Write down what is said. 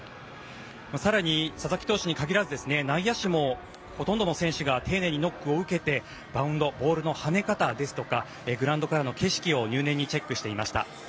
更に、佐々木投手に限らず内野手もほとんどの選手が丁寧にノックを受けてバウンドボールの跳ね方ですとかグラウンドからの景色を入念にチェックしていました。